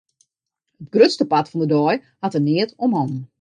It grutste part fan de dei hat er neat om hannen.